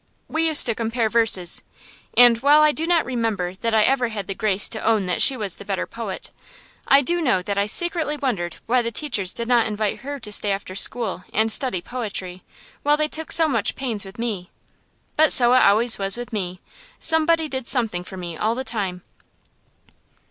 We used to compare verses; and while I do not remember that I ever had the grace to own that she was the better poet, I do know that I secretly wondered why the teachers did not invite her to stay after school and study poetry, while they took so much pains with me. But so it was always with me: somebody did something for me all the time.